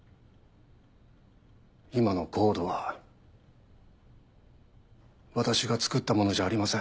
今のＣＯＤＥは私が作ったものじゃありません。